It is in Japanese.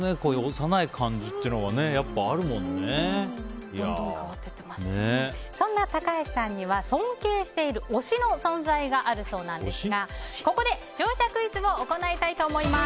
幼い感じっていうのがそんな高橋さんには尊敬している推しの存在があるそうなんですがここで視聴者クイズを行いたいと思います。